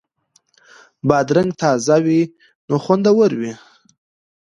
بادرنګ تازه وي نو خوندور وي.